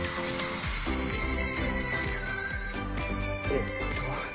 えっと